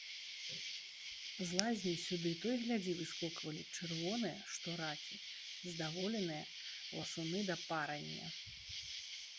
З лазні сюды то й глядзі выскоквалі чырвоныя, што ракі, здаволеныя ласуны да парання.